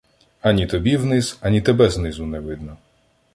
Ані тобі вниз, ані тебе знизу не видно.